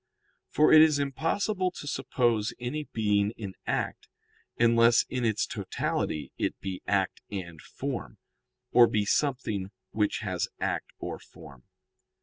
For it is impossible to suppose any being in act, unless in its totality it be act and form, or be something which has act or form.